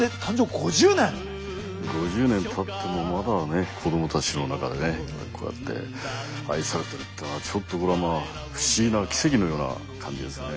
５０年たってもまだね子どもたちの中でねこうやって愛されてるっていうのはちょっとこれはまあ不思議な奇跡のような感じですねえ。